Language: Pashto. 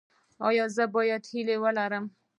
ایا زه باید هیله ولرم؟